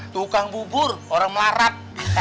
tukang bubur orang melarat